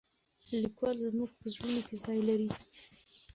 لیکوال زموږ په زړونو کې ځای لري.